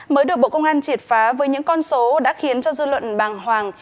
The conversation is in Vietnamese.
mới được bộ công an triệt phá với những con số đã khiến cho dư luận bàng hoàng